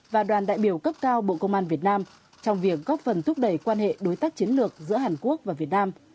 và đoàn đại biểu cấp cao bộ công an việt nam trong việc góp phần thúc đẩy quan hệ đối tác chiến lược giữa hàn quốc và việt nam